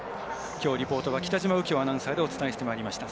きょうリポートは北嶋右京アナウンサーでお伝えしてまいりました。